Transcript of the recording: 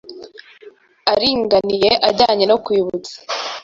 aringaniye ajyanye no kwibutsa